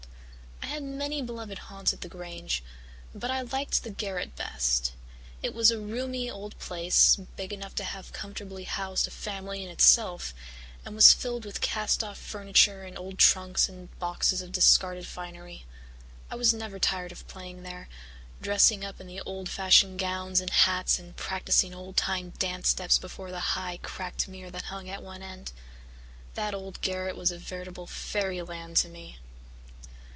I had many beloved haunts at the Grange, but I liked the garret best. It was a roomy old place, big enough to have comfortably housed a family in itself, and was filled with cast off furniture and old trunks and boxes of discarded finery. I was never tired of playing there, dressing up in the old fashioned gowns and hats and practising old time dance steps before the high, cracked mirror that hung at one end. That old garret was a veritable fairyland to me.